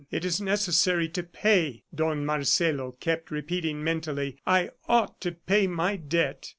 "It is necessary to pay," Don Marcelo kept repeating mentally. "I ought to pay my debt."